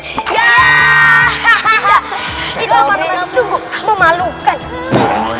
itu memang sungguh memalukan